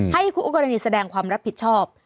ให้คู่กรณีแสดงความรับผิดชอบ